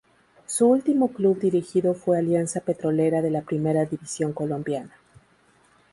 Su último club dirigido fue Alianza Petrolera de la Primera División Colombiana.